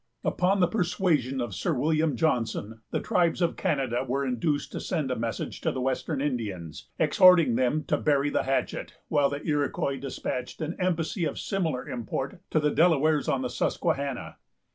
Upon the persuasion of Sir William Johnson, the tribes of Canada were induced to send a message to the western Indians, exhorting them to bury the hatchet, while the Iroquois despatched an embassy of similar import to the Delawares on the Susquehanna.